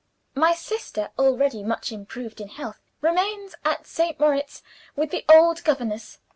"My sister (already much improved in health) remains at St. Moritz with the old governess.